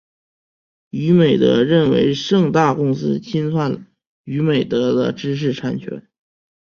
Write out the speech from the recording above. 娱美德认为盛大公司侵犯了娱美德的知识产权。